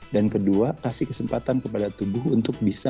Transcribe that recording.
dan kedua kasih kesempatan kepada tubuh untuk beristirahat